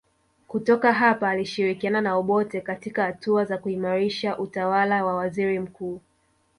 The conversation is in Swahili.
Kutoka hapa alishirikiana na Obote katika hatua za kuimarisha utawala wa waziri mkuu